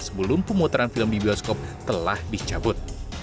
sebelum pemutaran film di bioskop telah dicabut